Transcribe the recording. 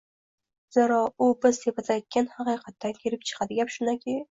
zero u biz tepada aytgan haqiqatdan kelib chiqadi. Gap shundaki...